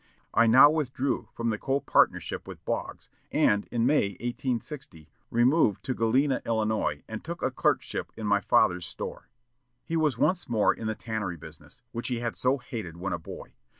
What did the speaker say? I now withdrew from the co partnership with Boggs, and, in May, 1860, removed to Galena, Illinois, and took a clerkship in my father's store." He was once more in the tannery business, which he had so hated when a boy.